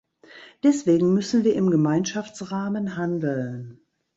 Deswegen müssen wir im Gemeinschaftsrahmen handeln.